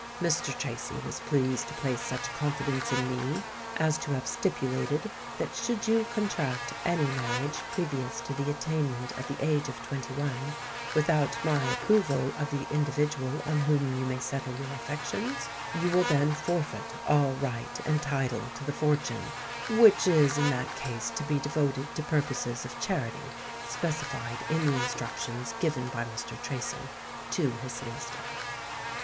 Mr. Tracy was pleased to place such confidence in me, as to have stipulated that should you contract any marriage previous to the attainment of the age of twenty one, without my approval of the individual on whom you may settle your affections, you will then forfeit all right and title to the fortune, which is in that case to be devoted to purposes of charity specified in the instructions given by Mr. Tracy to his solicitor."